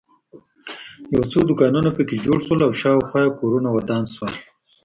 یو څو دوکانونه په کې جوړ شول او شاخوا یې کورونه ودان شول.